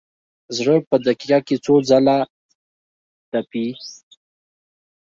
زړه په دقیقه کې څو ځله تپي.